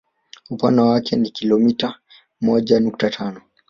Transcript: Upana wake ni kilomita moja nukta tano